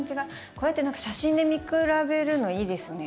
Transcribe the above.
こうやって写真で見比べるのいいですね。